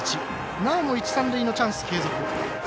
なおも一、三塁のチャンスを継続。